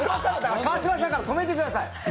川島さんから止めてください！